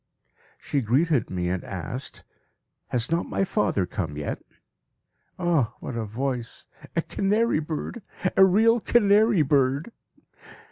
She greeted me and asked, "Has not my father come yet?" Ah! what a voice. A canary bird! A real canary bird!